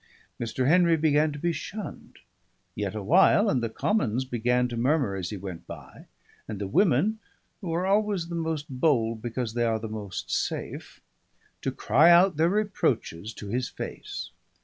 Mr. Henry began to be shunned; yet a while, and the commons began to murmur as he went by, and the women (who are always the most bold because they are the most safe) to cry out their reproaches to his face.